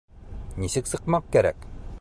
Нисек сыҡмаҡ кәрәк?